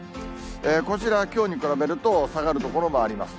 こちらはきょうに比べると下がる所もあります。